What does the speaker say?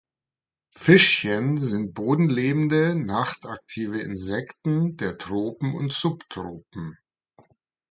Fischchen sind bodenlebende, nachtaktive Insekten der Tropen und Subtropen.